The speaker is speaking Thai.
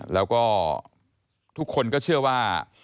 แล้วก็ทุกคนก็เชื่อว่า